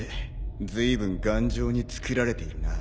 ずいぶん頑丈に作られているな。